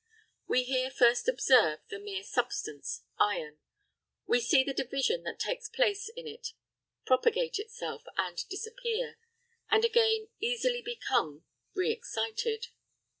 We here first observe the mere substance, iron; we see the division that takes place in it propagate itself and disappear, and again easily become re excited.